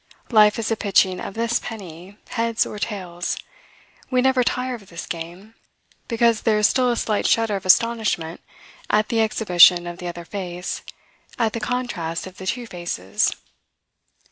Life is a pitching of this penny, heads or tails. We never tire of this game, because there is still a slight shudder of astonishment at the exhibition of the other face, at the contrast of the two faces.